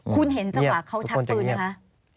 คุณเห็นจังหวะเขาชักปืนไหมคะ